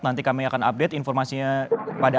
nanti kami akan update informasinya kepada